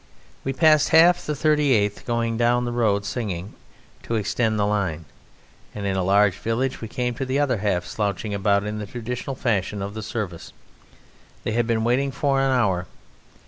We passed half the 38th, going down the road singing, to extend the line, and in a large village we came to the other half, slouching about in the traditional fashion of the Service; they had been waiting for an hour.